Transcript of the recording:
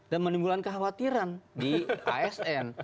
dan menimbulkan kekhawatiran di asn